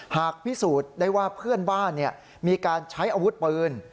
หากพิสูจน์ได้ว่าเพื่อนบ้านมีการใช้อาวุธปืน